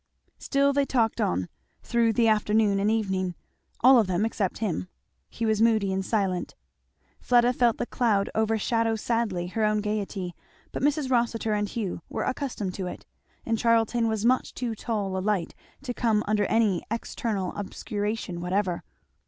Still they talked on, through the afternoon and evening, all of them except him; he was moody and silent. Fleda felt the cloud overshadow sadly her own gayety; but Mrs. Rossitur and Hugh were accustomed to it, and Charlton was much too tall a light to come under any external obscuration whatever.